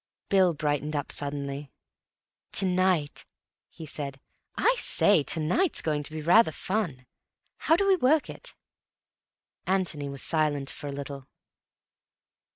Bill brightened up suddenly. "To night," he said. "I say, to night's going to be rather fun. How do we work it?" Antony was silent for a little.